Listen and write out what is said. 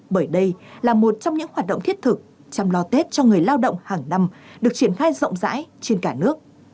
bởi đây là một trong những hoạt động thiết thực chăm lo tết cho người lao động hàng năm được triển khai rộng rãi trên cả nước